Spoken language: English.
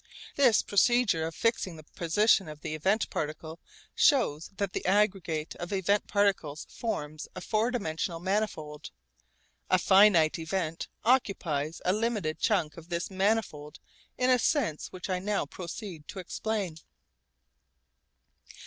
This procedure of fixing the position of an event particle shows that the aggregate of event particles forms a four dimensional manifold. A finite event occupies a limited chunk of this manifold in a sense which I now proceed to explain.